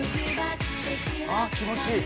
あぁ気持ちいい。